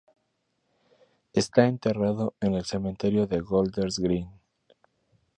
Está enterrado en el cementerio de Golders Green.